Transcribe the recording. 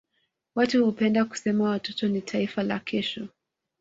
Watu hupenda kusema watoto ni taifa la kesho.